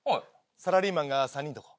サラリーマンが３人とこ。